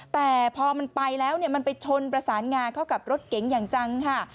แต่พอมันไปแล้วมันไปชนประสานงาเข้ากับรถเก๋งอย่างจังค่ะ